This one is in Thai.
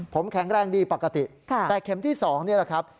ผมแข็งแรงดีปกติแต่เข็มที่๒นี่แหละครับ